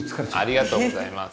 ありがとうございます。